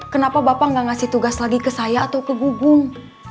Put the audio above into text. kenapa bapak nggak ngasih tugas lagi ke saya atau ke gugung